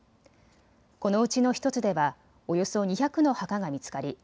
このうちの１つではおよそ２００の墓が見つかり